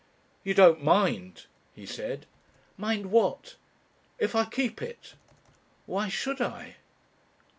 "You don't mind?" he said. "Mind what?" "If I keep it?" "Why should I?"